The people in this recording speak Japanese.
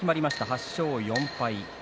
８勝４敗。